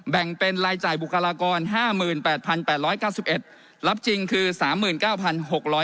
แบ่งเป็นรายจ่ายบุคลากร๕๘๘๙๑รับจริงคือ๓๙๖๐๐บาท